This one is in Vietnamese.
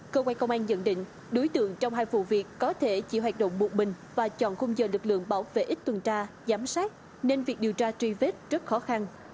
cơ quan công an nhận định đối tượng trong hai vụ việc có thể chỉ hoạt động một bình và chọn khung giờ lực lượng bảo vệ ít tuần tra giám sát nên việc điều tra truy vết rất khó khăn